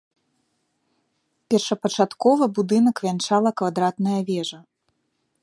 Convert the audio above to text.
Першапачаткова будынак вянчала квадратная вежа.